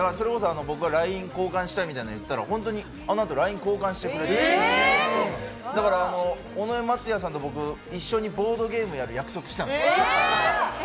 ＬＩＮＥ交換したいみたいに言ったら、あの後ＬＩＮＥ交換してくれて、尾上松也さんと僕、一緒にボードゲームやる約束したんですよ。